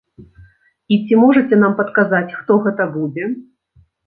І ці можаце нам падказаць, хто гэта будзе?